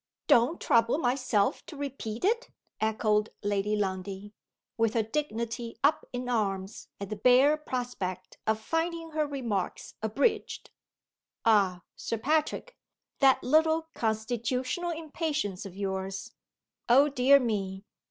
"Don't trouble myself to repeat it?" echoed Lady Lundie with her dignity up in arms at the bare prospect of finding her remarks abridged. "Ah, Sir Patrick! that little constitutional impatience of yours! Oh, dear me!